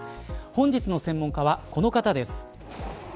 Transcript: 本日の専門家は、この方です。